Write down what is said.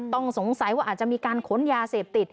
ต้องสงสัยว่าอาจจะมีการขนยาเสพติด